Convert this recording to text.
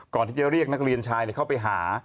ก่อนที่จะเรียกนักเรียนชายเข้าไปหา